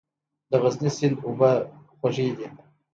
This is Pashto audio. د غزني سیند اوبه خوږې دي